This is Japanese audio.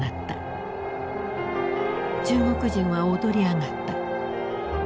中国人は躍り上がった。